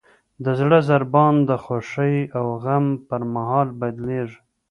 د زړه ضربان د خوښۍ او غم پر مهال بدلېږي.